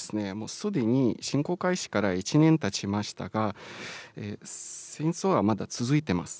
すでに侵攻開始から１年たちましたが、戦争はまだ続いてます。